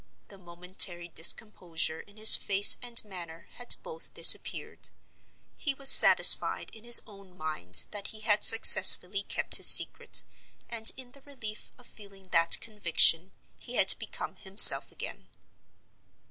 The momentary discomposure in his face and manner had both disappeared. He was satisfied in his own mind that he had successfully kept his secret, and in the relief of feeling that conviction he had become himself again.